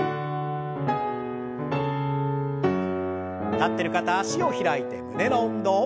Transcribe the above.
立ってる方脚を開いて胸の運動。